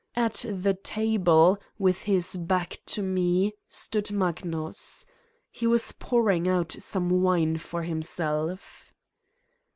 At the table, with his back to 236 Satan*s Diary me, stood Magnus, He was pouring out some wine for himself.